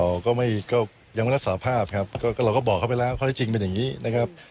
เราก็ไม่ก็ยังไม่รับสาภาพครับก็เราก็บอกเขาไปแล้วข้อที่จริงเป็นอย่างนี้นะครับ